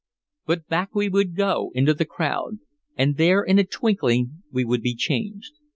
But back we would go into the crowd, and there in a twinkling we would be changed.